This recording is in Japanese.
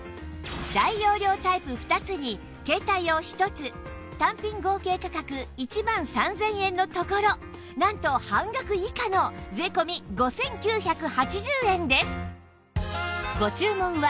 大容量タイプ２つに携帯用１つ単品合計価格１万３０００円のところなんと半額以下の税込５９８０円です